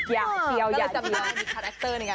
แล้วจะมีคาแรคเตอร์ในการถ่ายอันนี้นะคะ